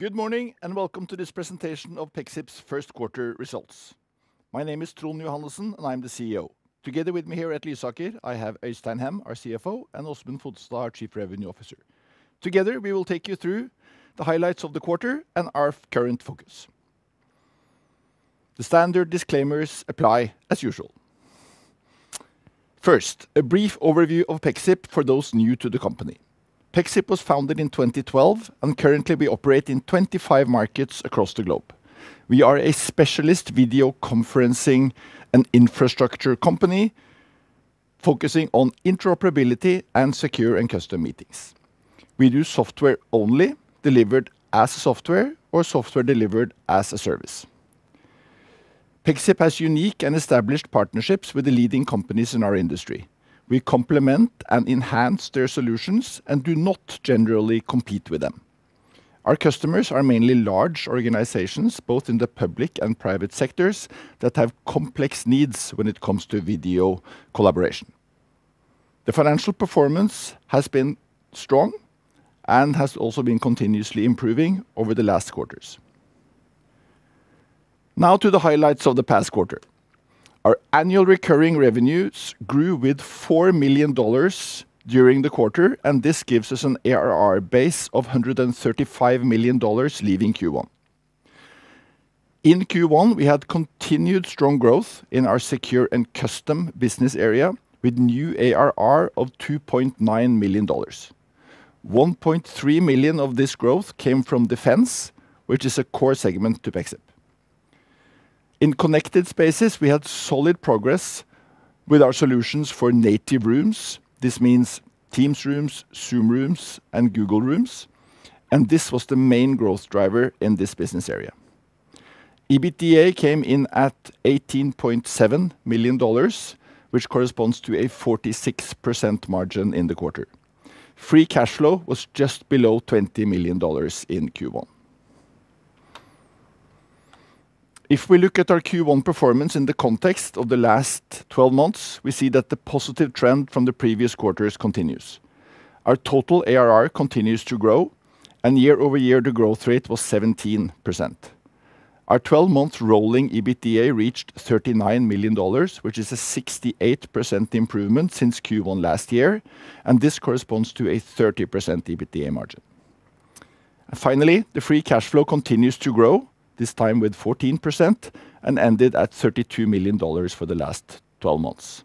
Good morning and welcome to this presentation of Pexip's first quarter results. My name is Trond Johannessen, and I'm the CEO. Together with me here at Lysaker, I have Øystein Hem, our CFO, and Åsmund Fodstad, our Chief Revenue Officer. Together, we will take you through the highlights of the quarter and our current focus. The standard disclaimers apply as usual. First, a brief overview of Pexip for those new to the company. Pexip was founded in 2012 and currently we operate in 25 markets across the globe. We are a specialist video conferencing and infrastructure company focusing on interoperability and secure and custom meetings. We do software only delivered as software or software delivered as a service. Pexip has unique and established partnerships with the leading companies in our industry. We complement and enhance their solutions and do not generally compete with them. Our customers are mainly large organizations, both in the public and private sectors, that have complex needs when it comes to video collaboration. The financial performance has been strong and has also been continuously improving over the last quarters. Now to the highlights of the past quarter. Our annual recurring revenues grew with $4 million during the quarter, and this gives us an ARR base of $135 million leaving Q1. In Q1, we had continued strong growth in our Secure and Custom business area with new ARR of $2.9 million. $1.3 million of this growth came from defense, which is a core segment to Pexip. In Connected Spaces, we had solid progress with our solutions for native rooms. This means Teams Rooms, Zoom Rooms, and Google Rooms, and this was the main growth driver in this business area. EBITDA came in at $18.7 million, which corresponds to a 46% margin in the quarter. Free cash flow was just below $20 million in Q1. If we look at our Q1 performance in the context of the last 12 months, we see that the positive trend from the previous quarters continues. Our total ARR continues to grow and year-over-year, the growth rate was 17%. Our 12-month rolling EBITDA reached $39 million, which is a 68% improvement since Q1 last year, and this corresponds to a 30% EBITDA margin. Finally, the free cash flow continues to grow, this time with 14%, and ended at $32 million for the last 12 months.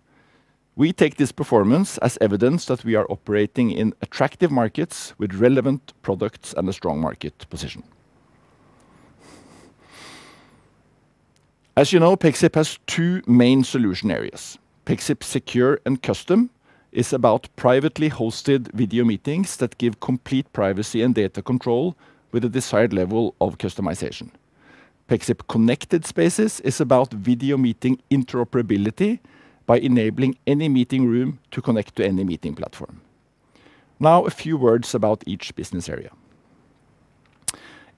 We take this performance as evidence that we are operating in attractive markets with relevant products and a strong market position. As you know, Pexip has two main solution areas. Pexip Secure and Custom is about privately hosted video meetings that give complete privacy and data control with the desired level of customization. Pexip Connected Spaces is about video meeting interoperability by enabling any meeting room to connect to any meeting platform. Now a few words about each business area.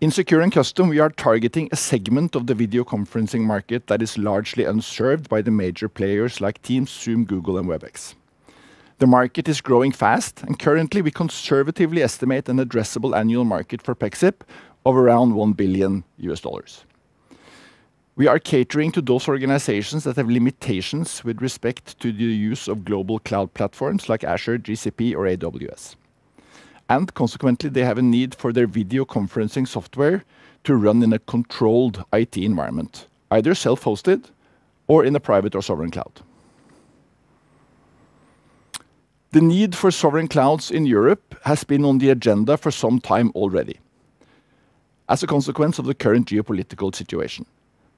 In Secure and Custom, we are targeting a segment of the video conferencing market that is largely unserved by the major players like Teams, Zoom, Google, and Webex. The market is growing fast, and currently we conservatively estimate an addressable annual market for Pexip of around $1 billion. We are catering to those organizations that have limitations with respect to the use of global cloud platforms like Azure, GCP, or AWS. Consequently, they have a need for their video conferencing software to run in a controlled IT environment, either self-hosted or in a private or sovereign cloud. The need for sovereign clouds in Europe has been on the agenda for some time already as a consequence of the current geopolitical situation.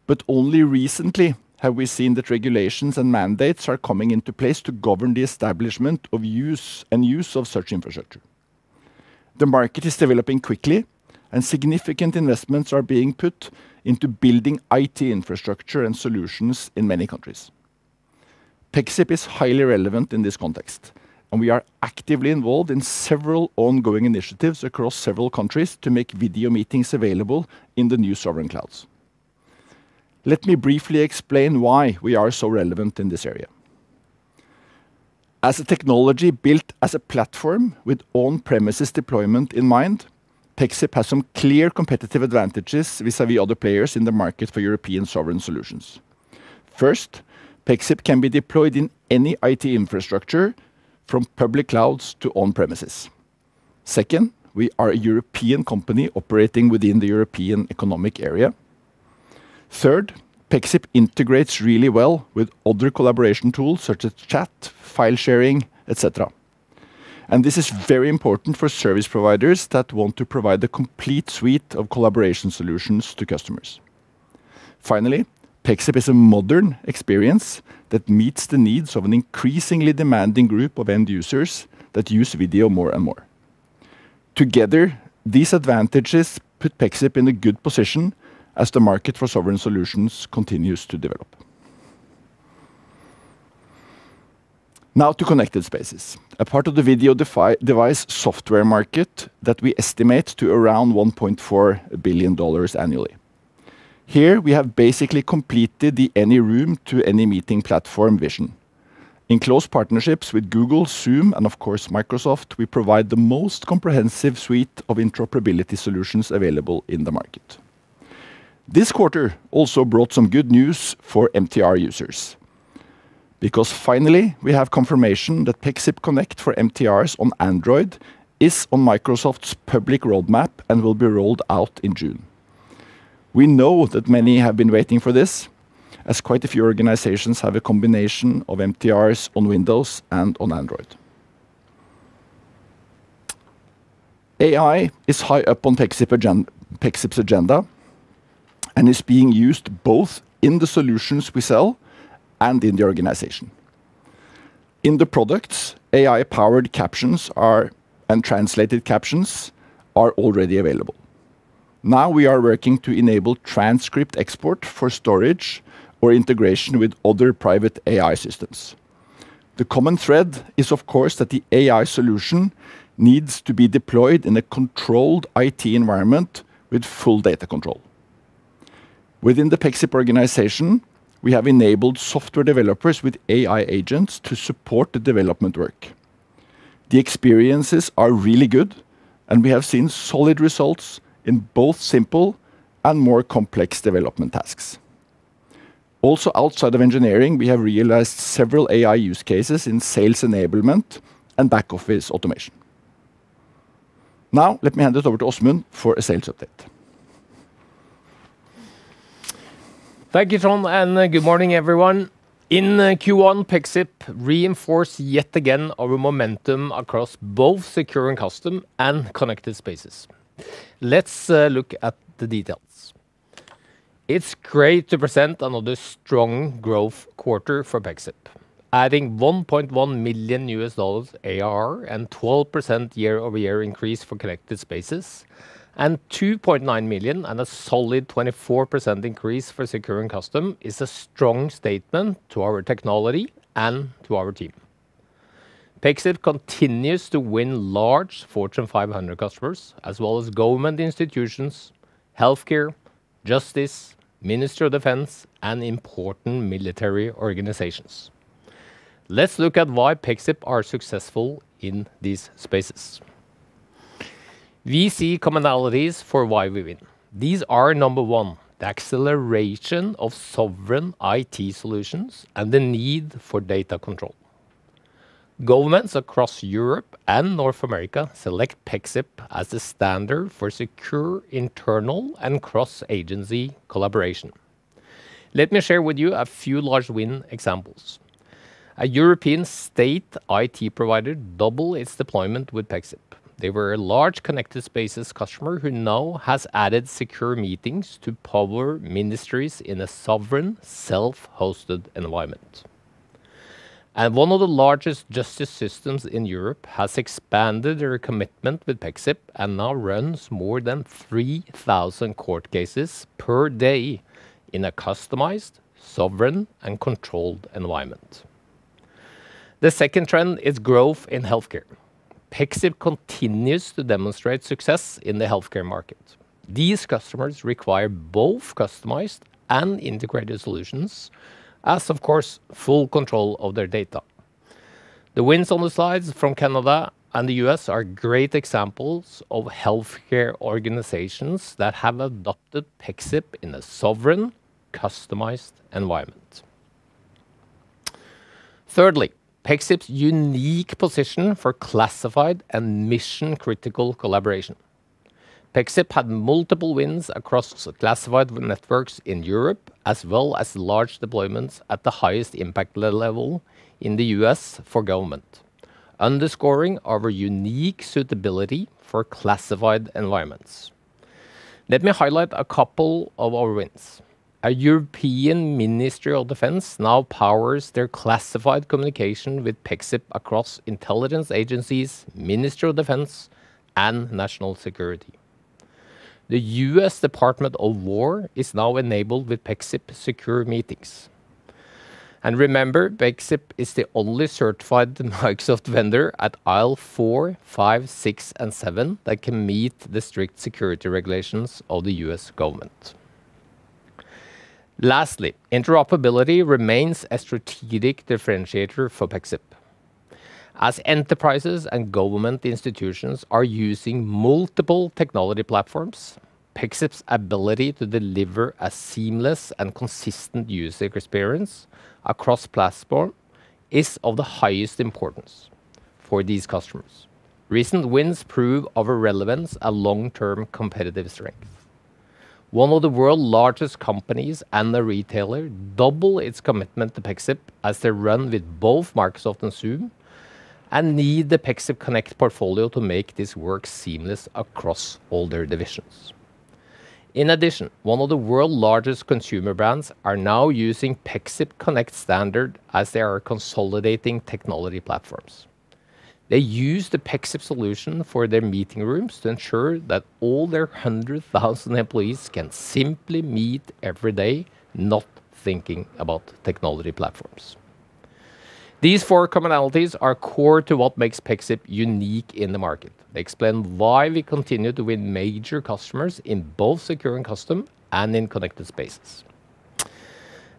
But only recently have we seen that regulations and mandates are coming into place to govern the establishment of use and use of such infrastructure. The market is developing quickly, and significant investments are being put into building IT infrastructure and solutions in many countries. Pexip is highly relevant in this context, and we are actively involved in several ongoing initiatives across several countries to make video meetings available in the new sovereign clouds. Let me briefly explain why we are so relevant in this area. As a technology built as a platform with on-premises deployment in mind, Pexip has some clear competitive advantages vis-a-vis other players in the market for European sovereign solutions. First, Pexip can be deployed in any IT infrastructure from public clouds to on premises. Second, we are a European company operating within the European Economic Area. Third, Pexip integrates really well with other collaboration tools such as chat, file sharing, et cetera. And this is very important for service providers that want to provide the complete suite of collaboration solutions to customers. Finally, Pexip is a modern experience that meets the needs of an increasingly demanding group of end users that use video more and more. Together, these advantages put Pexip in a good position as the market for sovereign solutions continues to develop. Now to Connected Spaces, a part of the video device software market that we estimate to around $1.4 billion annually. Here, we have basically completed the any room to any meeting platform vision. In close partnerships with Google, Zoom, and of course Microsoft, we provide the most comprehensive suite of interoperability solutions available in the market. This quarter also brought some good news for MTR users because finally, we have confirmation that Pexip Connect for MTRs on Android is on Microsoft's public roadmap and will be rolled out in June. We know that many have been waiting for this, as quite a few organizations have a combination of MTRs on Windows and on Android. AI is high up on Pexip's agenda and is being used both in the solutions we sell and in the organization. In the products, AI-powered captions and translated captions are already available. Now we are working to enable transcript export for storage or integration with other private AI systems. The common thread is, of course, that the AI solution needs to be deployed in a controlled IT environment with full data control. Within the Pexip organization, we have enabled software developers with AI agents to support the development work. The experiences are really good, and we have seen solid results in both simple and more complex development tasks. Also, outside of engineering, we have realized several AI use cases in sales enablement and back-office automation. Now let me hand it over to Åsmund for a sales update. Thank you, Trond, and good morning, everyone. In Q1, Pexip reinforced yet again our momentum across both Secure and Custom and Connected Spaces. Let's look at the details. It's great to present another strong growth quarter for Pexip. Adding $1.1 million ARR and 12% year-over-year increase for Connected Spaces and $2.9 million and a solid 24% increase for Secure and Custom is a strong statement to our technology and to our team. Pexip continues to win large Fortune 500 customers as well as government institutions, healthcare, justice, Ministry of Defense, and important military organizations. Let's look at why Pexip are successful in these spaces. We see commonalities for why we win. These are, number one, the acceleration of sovereign IT solutions and the need for data control. Governments across Europe and North America select Pexip as the standard for secure internal and cross-agency collaboration. Let me share with you a few large win examples. A European state IT provider double its deployment with Pexip. They were a large Connected Spaces customer who now has added Secure Meetings to power ministries in a sovereign, self-hosted environment. And one of the largest justice systems in Europe has expanded their commitment with Pexip and now runs more than 3,000 court cases per day in a customized, sovereign, and controlled environment. The second trend is growth in healthcare. Pexip continues to demonstrate success in the healthcare market. These customers require both customized and integrated solutions, as of course, full control of their data. The wins on the slides from Canada and the U.S. are great examples of healthcare organizations that have adopted Pexip in a sovereign, customized environment. Thirdly, Pexip's unique position for classified and mission-critical collaboration. Pexip had multiple wins across classified networks in Europe, as well as large deployments at the highest impact level in the U.S. for government, underscoring our unique suitability for classified environments. Let me highlight a couple of our wins. A European Ministry of Defense now powers their classified communication with Pexip across intelligence agencies, Ministry of Defense, and national security. The U.S. Department of War is now enabled with Pexip Secure Meetings. And remember, Pexip is the only certified Microsoft vendor at IL4, IL5, IL6, and IL7 that can meet the strict security regulations of the U.S. government. Lastly, interoperability remains a strategic differentiator for Pexip. As enterprises and government institutions are using multiple technology platforms, Pexip's ability to deliver a seamless and consistent user experience across platforms is of the highest importance for these customers. Recent wins prove our relevance and long-term competitive strength. One of the world largest companies and a retailer double its commitment to Pexip as they run with both Microsoft and Zoom and need the Pexip Connect portfolio to make this work seamless across all their divisions. In addition, one of the world largest consumer brands are now using Pexip Connect Standard as they are consolidating technology platforms. They use the Pexip solution for their meeting rooms to ensure that all their 100,000 employees can simply meet every day not thinking about technology platforms. These four commonalities are core to what makes Pexip unique in the market. They explain why we continue to win major customers in both Secure and Custom and in Connected Spaces.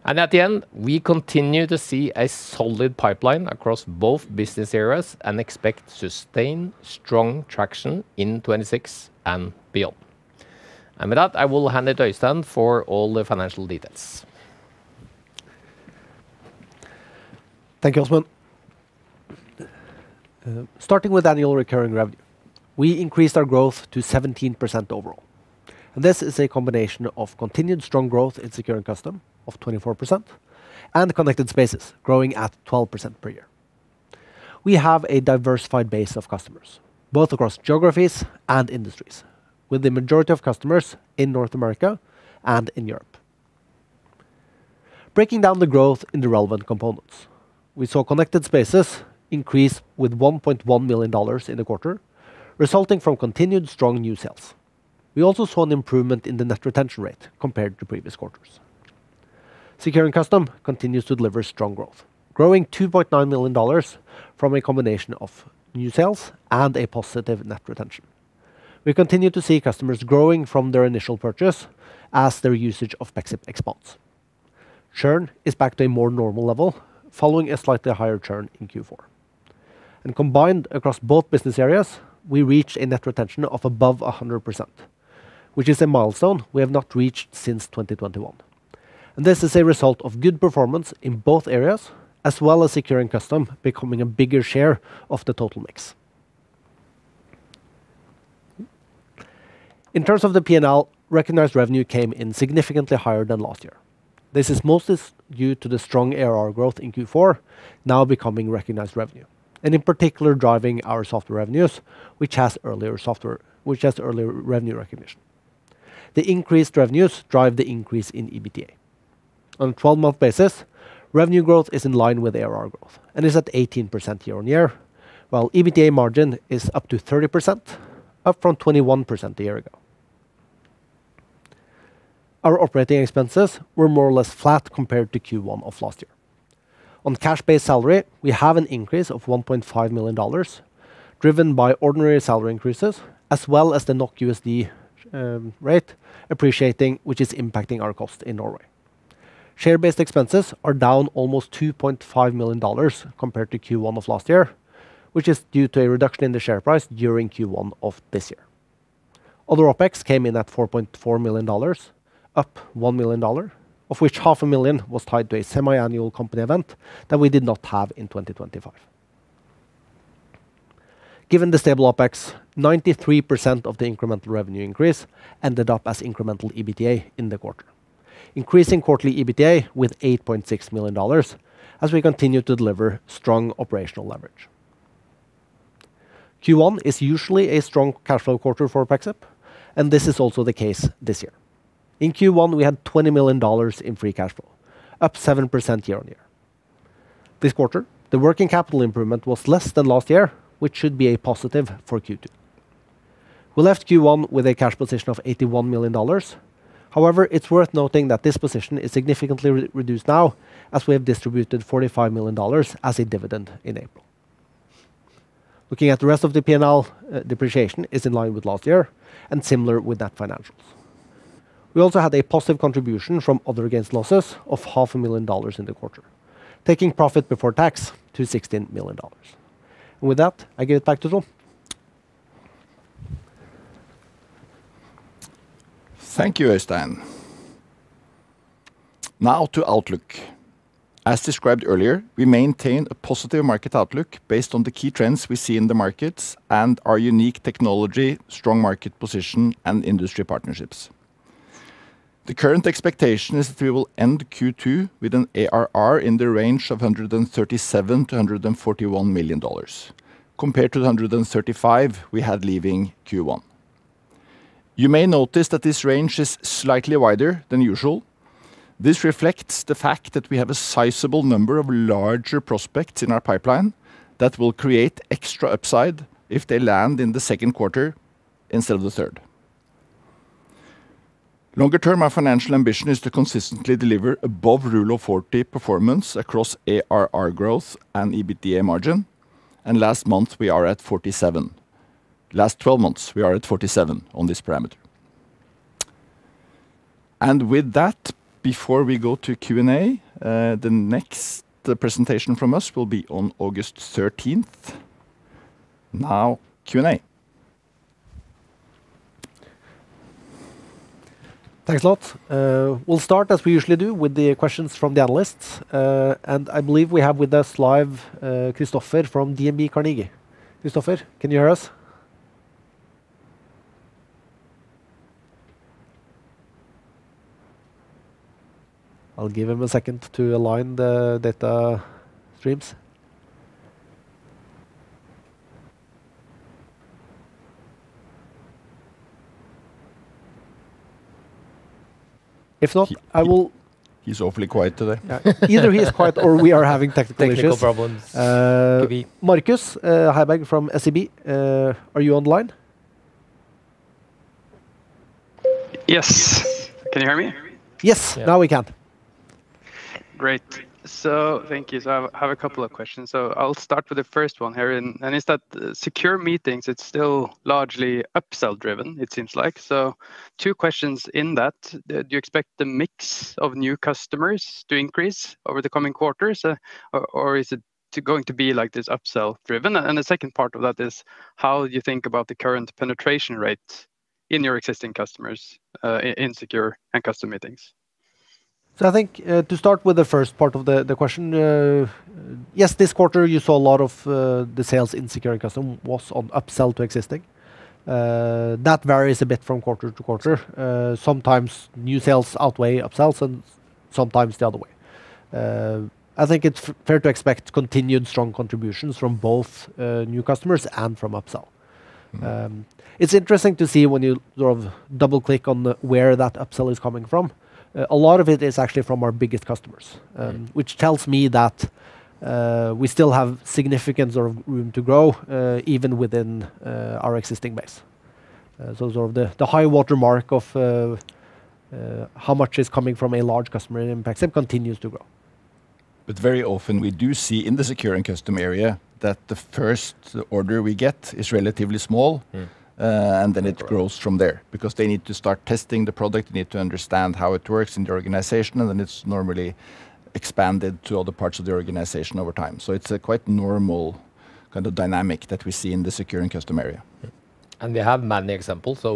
At the end, we continue to see a solid pipeline across both business areas and expect sustained strong traction in 2026 and beyond. With that, I will hand it to Øystein for all the financial details. Thank you, Åsmund. Starting with annual recurring revenue, we increased our growth to 17% overall. This is a combination of continued strong growth in Secure and Custom of 24% and Connected Spaces growing at 12% per year. We have a diversified base of customers, both across geographies and industries, with the majority of customers in North America and in Europe. Breaking down the growth in the relevant components, we saw Connected Spaces increase with $1.1 million in the quarter, resulting from continued strong new sales. We also saw an improvement in the net retention rate compared to previous quarters. Secure and Custom continues to deliver strong growth, growing $2.9 million from a combination of new sales and a positive net retention. We continue to see customers growing from their initial purchase as their usage of Pexip expands. Churn is back to a more normal level, following a slightly higher churn in Q4. Combined across both business areas, we reach a net retention of above 100%, which is a milestone we have not reached since 2021. This is a result of good performance in both areas, as well as Secure and Custom becoming a bigger share of the total mix. In terms of the P&L, recognized revenue came in significantly higher than last year. This is mostly due to the strong ARR growth in Q4 now becoming recognized revenue, and in particular driving our software revenues, which has earlier revenue recognition. The increased revenues drive the increase in EBITDA. On a 12-month basis, revenue growth is in line with ARR growth and is at 18% year-on-year, while EBITDA margin is up to 30%, up from 21% a year ago. Our operating expenses were more or less flat compared to Q1 of last year. On cash-based salary, we have an increase of $1.5 million, driven by ordinary salary increases, as well as the NOK/USD rate appreciating, which is impacting our cost in Norway. Share-based expenses are down almost $2.5 million compared to Q1 of last year, which is due to a reduction in the share price during Q1 of this year. Other OpEx came in at $4.4 million, up $1 million, of which $500,000 was tied to a semi-annual company event that we did not have in 2025. Given the stable OpEx, 93% of the incremental revenue increase ended up as incremental EBITDA in the quarter, increasing quarterly EBITDA with $8.6 million as we continue to deliver strong operational leverage. Q1 is usually a strong cash flow quarter for Pexip, and this is also the case this year. In Q1, we had $20 million in free cash flow, up 7% year-on-year. This quarter, the working capital improvement was less than last year, which should be a positive for Q2. We left Q1 with a cash position of $81 million. However, it's worth noting that this position is significantly reduced now, as we have distributed $45 million as a dividend in April. Looking at the rest of the P&L, depreciation is in line with last year and similar with net financials. We also had a positive contribution from other gains losses of $500,000 in the quarter, taking profit before tax to $16 million. With that, I give it back to Trond. Thank you, Øystein. Now to outlook. As described earlier, we maintain a positive market outlook based on the key trends we see in the markets and our unique technology, strong market position, and industry partnerships. The current expectation is that we will end Q2 with an ARR in the range of $137 million-$141 million compared to the $135 million we had leaving Q1. You may notice that this range is slightly wider than usual. This reflects the fact that we have a sizable number of larger prospects in our pipeline that will create extra upside if they land in the second quarter instead of the third. Longer term, our financial ambition is to consistently deliver above Rule of 40 performance across ARR growth and EBITDA margin, and last month we are at 47%. Last 12 months, we are at 47% on this parameter. And with that, before we go to Q&A, the next presentation from us will be on August 13th. Now, Q&A. Thanks a lot. We'll start, as we usually do, with the questions from the analysts. And I believe we have with us live, Christoffer from DNB Carnegie. Christoffer, can you hear us? I'll give him a second to align the data streams. If not, I will. He's awfully quiet today. Yeah. Either he is quiet or we are having technical issues. Technical problems. Markus Heiberg from SEB, are you online? Yes. Can you hear me? Yes. Yeah. Now we can. Great. So, thank you. I have a couple of questions, so I'll start with the first one here and it's that Secure Meetings, it's still largely upsell-driven, it seems like. So, two questions in that. Do you expect the mix of new customers to increase over the coming quarters? Or is it going to be like this upsell-driven? And the second part of that is how you think about the current penetration rate in your existing customers, in Secure and Custom Meetings? I think, to start with the first part of the question, yes, this quarter you saw a lot of the sales in Secure and Custom was on upsell to existing. That varies a bit from quarter-to-quarter. Sometimes, new sales outweigh upsells and sometimes, the other way. I think it's fair to expect continued strong contributions from both new customers and from upsell. It's interesting to see when you sort of double click on where that upsell is coming from. A lot of it is actually from our biggest customers, which tells me that we still have significant sort of room to grow even within our existing base. Sort of the high water mark of how much is coming from a large customer impact and continues to grow. Very often, we do see in the Secure and Custom area that the first order we get is relatively small. Mm. Uh, and then it. Right. Grows from there because they need to start testing the product, they need to understand how it works in the organization, and then it's normally expanded to other parts of the organization over time. So, it's a quite normal kind of dynamic that we see in the Secure and Custom area. Yeah. We have many examples. So,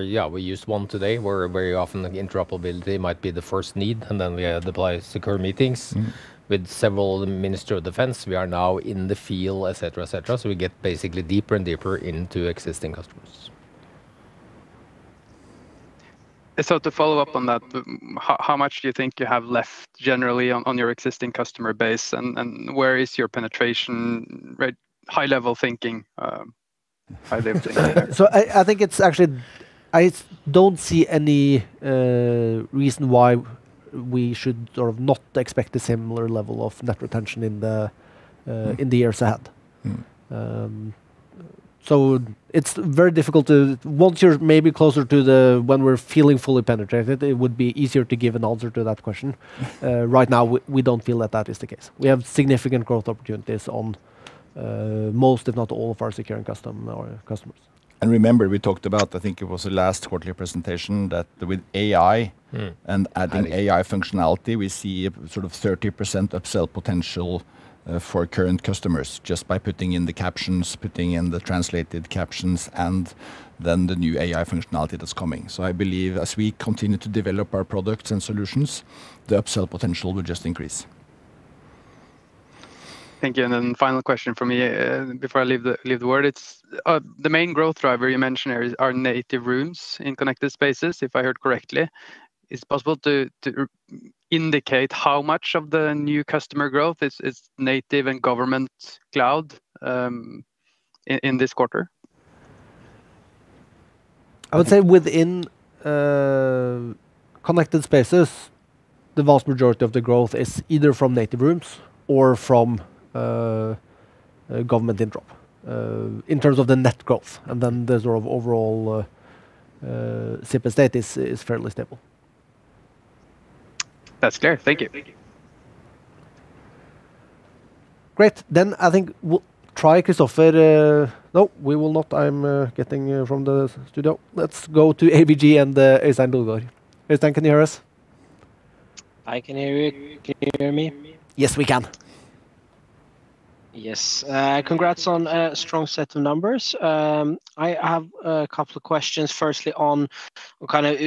yeah, we used one today where very often the interoperability might be the first need, and then we deploy Secure Meetings. Mm. With several Ministry of Defense. We are now in the field, et cetera, et cetera, so we get basically deeper and deeper into existing customers. To follow up on that, how much do you think you have left generally on your existing customer base and where is your penetration rate, high-level thinking? I think it's actually, I don't see any reason why we should sort of not expect a similar level of net retention in the in the years ahead. Mm. So, it's very difficult to, once you're maybe closer to the, when we're feeling fully penetrated, it would be easier to give an answer to that question. Right now, we don't feel that that is the case. We have significant growth opportunities on most, if not all of our Secure and Custom customers. And remember we talked about, I think it was the last quarterly presentation. Mm. That with AI and adding AI functionality, we see sort of 30% upsell potential for current customers just by putting in the captions, putting in the translated captions, and then the new AI functionality that's coming. So, I believe, as we continue to develop our products and solutions, the upsell potential will just increase. Thank you. And then final question from me, before I leave the word, it's, the main growth driver you mentioned here are native rooms in Connected Spaces, if I heard correctly. Is it possible to indicate how much of the new customer growth is native and government cloud in this quarter? I would say within Connected Spaces, the vast majority of the growth is either from native rooms or from government interop in terms of the net growth. Then, the sort of overall Pexip state is fairly stable. That's clear. Thank you. Great. I think we'll try Christoffer. No, we will not. I'm getting from the studio. Let's go to ABG and Øystein Lodgaard. Øystein, can you hear us? I can hear you. Can you hear me? Yes, we can. Yes. Congrats on a strong set of numbers. I have a couple of questions. Firstly, on what kind of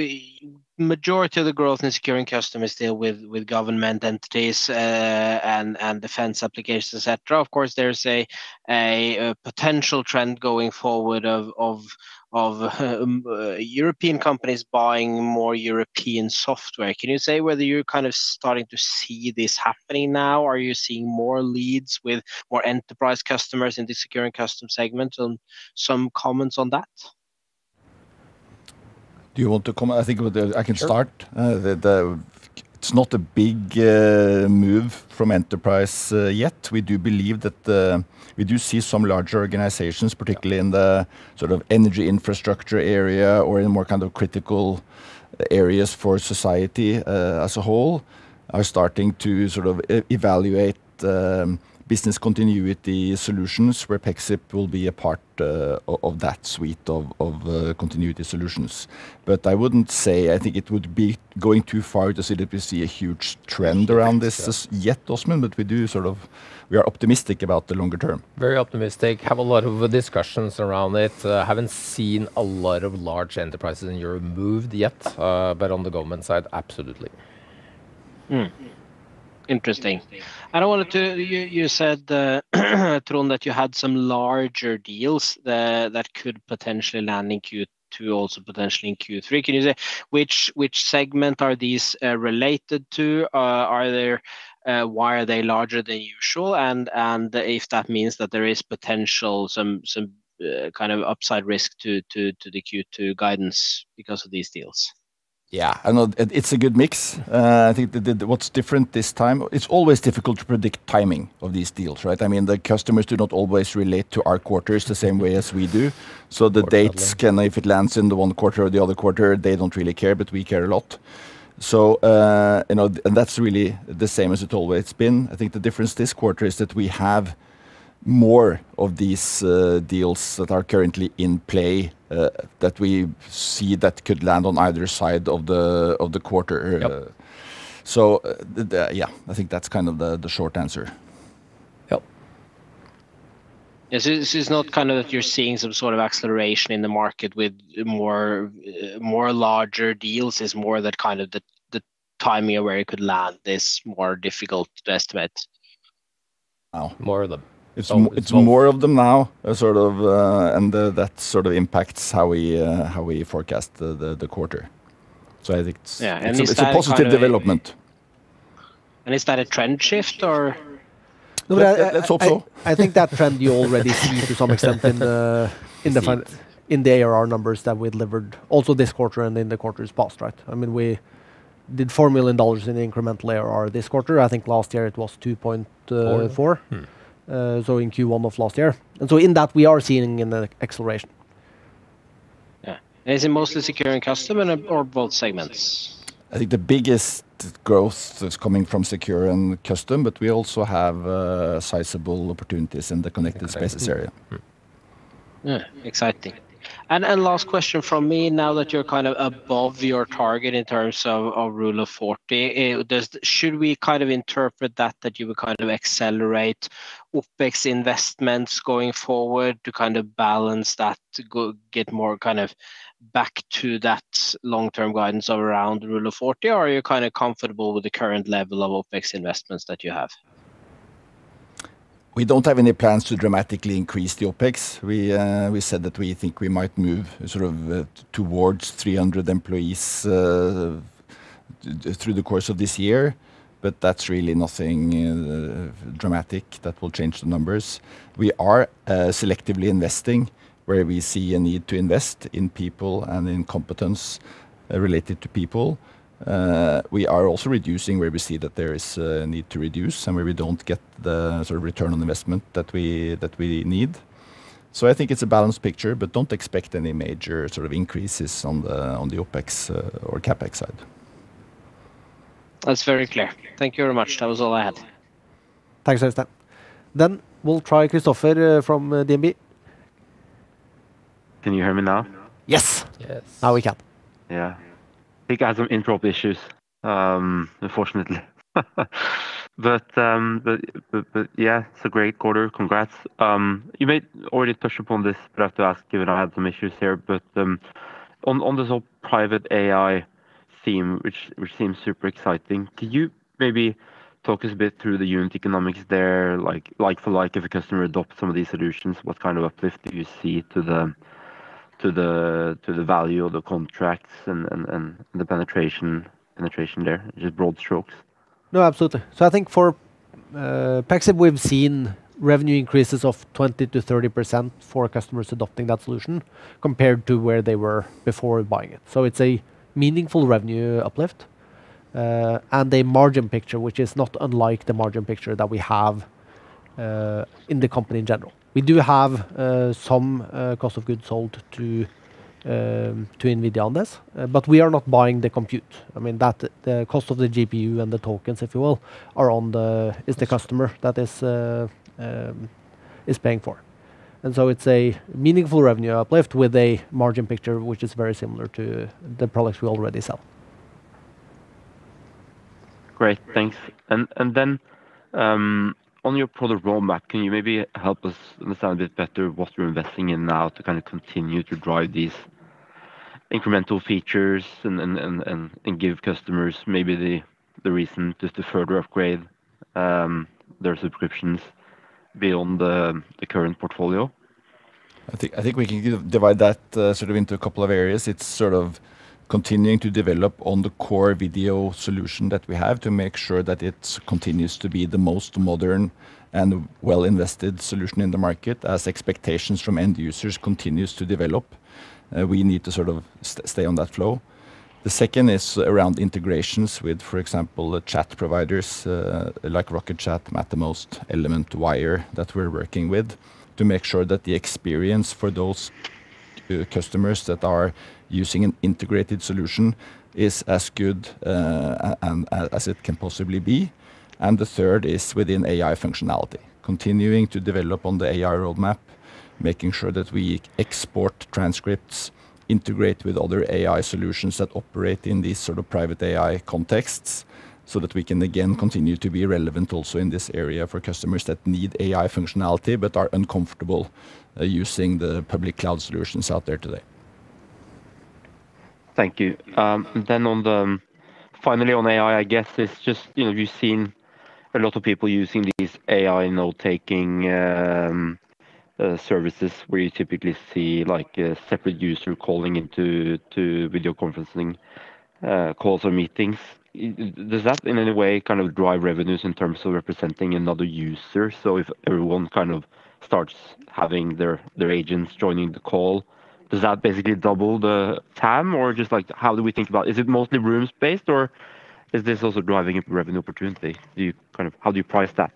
majority of the growth in securing customers deal with government entities and defense applications, et cetera. Of course, there's a potential trend going forward of European companies buying more European software. Can you say whether you're kind of starting to see this happening now? Are you seeing more leads with more enterprise customers in the Secure and Custom segment, and some comments on that? Do you want to comment? Sure. I can start. The, it's not a big move from enterprise yet. We do believe that, we do see some larger organizations, particularly in the sort of energy infrastructure area or in more kind of critical areas for society as a whole, are starting to sort of evaluate business continuity solutions where Pexip will be a part of that suite of continuity solutions. But I wouldn't say, I think it would be going too far to say that we see a huge trend around this as yet, Åsmund, but we do sort of, we are optimistic about the longer term. Very optimistic. Have a lot of discussions around it. Haven't seen a lot of large enterprises in Europe moved yet, but on the government side, absolutely. Hmm. Interesting. You said, Trond, that you had some larger deals that could potentially land in Q2, also potentially in Q3. Can you say which segment are these related to? Why are they larger than usual? If that means that there is potential, some kind of upside risk to the Q2 guidance because of these deals? I know it's a good mix. I think what's different this time, it's always difficult to predict timing of these deals, right? I mean, the customers do not always relate to our quarters the same way as we do. So, the dates can, if it lands in the one quarter or the other quarter, they don't really care, but we care a lot. You know, that's really the same as it always been. I think the difference this quarter is that we have more of these deals that are currently in play, that we see that could land on either side of the quarter. Yep. So, yeah, I think that's kind of the short answer. Yep. Yes. It's not kind of that you're seeing some sort of acceleration in the market with more larger deals. It's more that kind of the timing of where it could land is more difficult to estimate. Now. More of them. It's more of them now sort of, and that sort of impacts how we, how we forecast the, the quarter. Yeah. And is that. It's a positive development. Is that a trend shift or? Let's hope so I think that trend you already see to some extent in the ARR numbers that we delivered also this quarter and in the quarters past, right? I mean, we did $4 million in incremental ARR this quarter. I think last year it was $2.4 million. Point four. In Q1 of last year. So, in that, we are seeing an acceleration. Yeah. Is it mostly Secure and Custom or both segments? I think the biggest growth is coming from Secure and Custom, but we also have sizable opportunities in the Connected Spaces area. Mm-hmm. Mm. Yeah. Exciting. And last question from me, now that you're kind of above your target in terms of Rule of 40, should we kind of interpret that you would kind of accelerate OpEx investments going forward to kind of balance that to go get more kind of back to that long-term guidance of around Rule of 40? Or are you kind of comfortable with the current level of OpEx investments that you have? We don't have any plans to dramatically increase the OpEx. We said that we think we might move sort of towards 300 employees through the course of this year, but that's really nothing dramatic that will change the numbers. We are selectively investing where we see a need to invest in people and in competence related to people. We are also reducing where we see that there is a need to reduce and where we don't get the sort of return on investment that we, that we need. I think it's a balanced picture, but don't expect any major sort of increases on the, on the OpEx or CapEx side. That's very clear. Thank you very much. That was all I had. Thanks, Øystein. Then, we'll try Christoffer from DNB. Can you hear me now? Yes. Yes. Now we can. Yeah. I think I had some interrupt issues, unfortunately. But, yeah, it's a great quarter. Congrats. You may already touched upon this, but I have to ask given I had some issues here. On this whole private AI theme, which seems super exciting, could you maybe talk us a bit through the unit economics there? Like-for-like, if a customer adopts some of these solutions, what kind of uplift do you see to the value of the contracts and the penetration there? Just broad strokes. Absolutely. I think for Pexip, we've seen revenue increases of 20%-30% for customers adopting that solution compared to where they were before buying it. It's a meaningful revenue uplift, and a margin picture which is not unlike the margin picture that we have in the company in general. We do have some cost of goods sold to NVIDIA on this, but we are not buying the compute. I mean, the cost of the GPU and the tokens, if you will, are on the customer that is paying for. So, it's a meaningful revenue uplift with a margin picture which is very similar to the products we already sell. Great. Thanks. Then, on your product roadmap, can you maybe help us understand a bit better what you're investing in now to kind of continue to drive these incremental features and give customers maybe the reason just to further upgrade their subscriptions beyond the current portfolio? I think we can divide that sort of into a couple of areas. It's sort of continuing to develop on the core video solution that we have to make sure that it continues to be the most modern and well-invested solution in the market. As expectations from end users continues to develop, we need to sort of stay on that flow. The second is around integrations with, for example, the chat providers, like Rocket.Chat, Mattermost, Element, Wire that we're working with to make sure that the experience for those customers that are using an integrated solution is as good as it can possibly be. And the third is within AI functionality, continuing to develop on the AI roadmap, making sure that we export transcripts, integrate with other AI solutions that operate in these sort of private AI contexts so that we can again continue to be relevant also in this area for customers that need AI functionality but are uncomfortable using the public cloud solutions out there today. Thank you. Then, finally, on AI, I guess it's just, you know, we've seen a lot of people using these AI note-taking services where you typically see like a separate user calling into video conferencing calls or meetings. Does that in any way kind of drive revenues in terms of representing another user? So, if everyone kind of starts having their agents joining the call, does that basically double the time? Or, just like how do we think about? Is it mostly rooms-based, or is this also driving a revenue opportunity? How do you price that?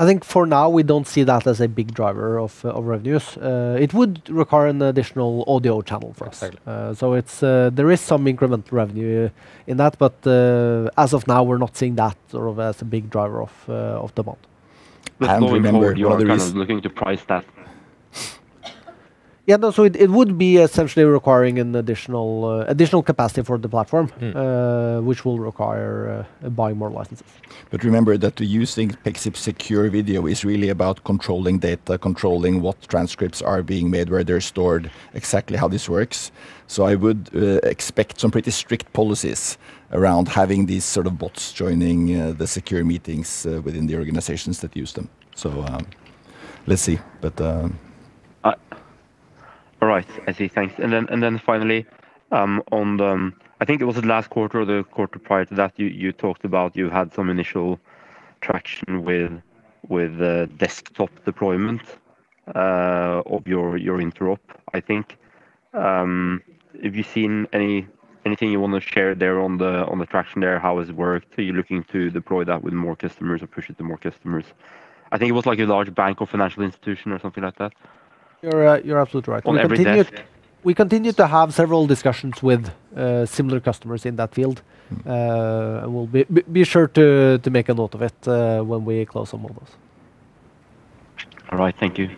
I think for now, we don't see that as a big driver of revenues. It would require an additional audio channel for us. Exactly. There is some incremental revenue in that, but, as of now, we're not seeing that sort of as a big driver of EBITDA. Going forward, you are kind of looking to price that. Yeah. No, it would be essentially requiring an additional capacity for the platform. Mm. Which will require buying more licenses. But remember that using Pexip secure video is really about controlling data, controlling what transcripts are being made, where they're stored, exactly how this works. So, I would expect some pretty strict policies around having these sort of bots joining the secure meetings within the organizations that use them. So, let's see. All right. I see. Thanks. Finally, on the, I think it was the last quarter or the quarter prior to that, you talked about you had some initial traction with desktop deployment of your interop, I think. Have you seen anything you wanna share there on the traction there? How has it worked? Are you looking to deploy that with more customers or push it to more customers? I think it was like a large bank or financial institution or something like that. You're, you're absolutely right. On every desk, yeah. We continue to have several discussions with similar customers in that field. We'll be sure to make a note of it when we close some of those. All right. Thank you.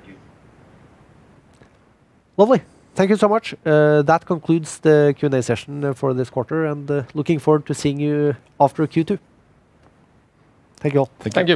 Lovely. Thank you so much. That concludes the Q&A session for this quarter, and looking forward to seeing you after Q2. Thank you all. Thank you.